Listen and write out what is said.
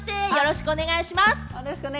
よろしくお願いします！